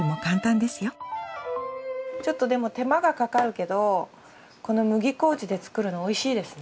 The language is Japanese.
ちょっとでも手間がかかるけどこの麦麹で作るのおいしいですね。